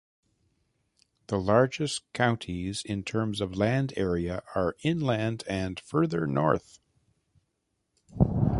The largest counties in terms of land area are inland and further north.